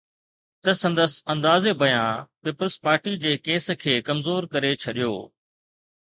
ته سندس انداز بيان پيپلز پارٽي جي ڪيس کي ڪمزور ڪري ڇڏيو